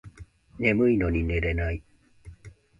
眠いのに寝れない